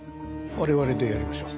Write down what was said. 我々でやりましょう。